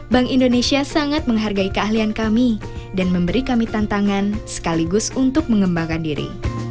bank indonesia sangat menghargai keahlian kami dan memberi kami tantangan sekaligus untuk mengembangkan diri